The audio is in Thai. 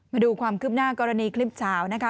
มาดูความคืบหน้ากรณีคลิปเฉานะคะ